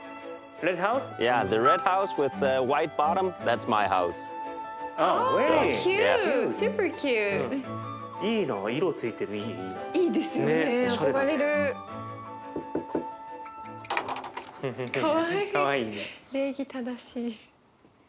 礼儀正しい。